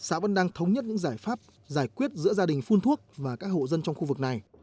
một năm trôi qua xã vẫn đang thống nhất những giải pháp giải quyết giữa gia đình phun thuốc và các hộ dân trong khu vực này